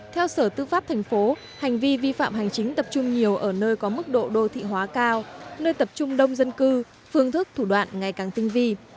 theo sở tư pháp thành phố hành vi vi phạm hành chính tập trung nhiều ở nơi có mức độ đô thị hóa cao nơi tập trung đông dân cư phương thức thủ đoạn ngày càng tinh vi